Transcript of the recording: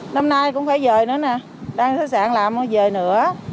năm nay cũng phải về nữa nè đang sẵn sàng làm rồi về nữa